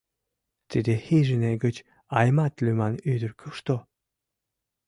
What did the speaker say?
— Тиде хижине гыч Аймат лӱман ӱдыр кушто?